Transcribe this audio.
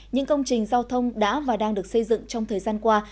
những công trình giao thông đã và đang được xây dựng trong thời gian qua